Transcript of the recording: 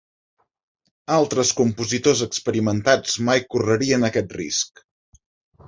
Altres compositors experimentats mai correrien aquest risc.